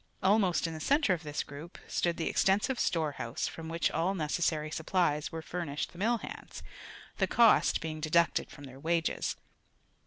Almost in the center of this group stood the extensive storehouse from which all necessary supplies were furnished the mill hands, the cost being deducted from their wages.